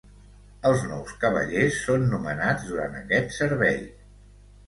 Els nous cavallers són nomenats durant aquest servei.